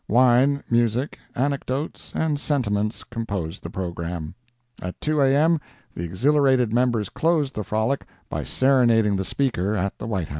Wine, music, anecdotes and sentiments composed the programme. At 2 A.M. the exhilarated members closed the frolic by serenading the Speaker, at the White House.